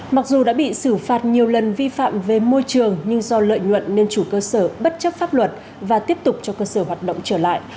mặc dù đã bị xử phạt nhiều lần vi phạm về môi trường nhưng do lợi nhuận nên chủ cơ sở bất chấp pháp luật và tiếp tục cho cơ sở hoạt động trở lại